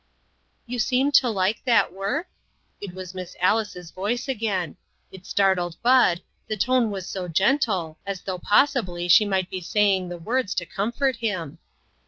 "You seem to like that work?" It was Miss Alice's voice again. It start led Bud, the tone was so gentle, as though possibly she might be saying the words to comfort him.